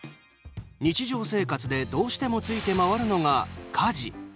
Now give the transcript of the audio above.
日常生活で、どうしてもついて回るのが、家事。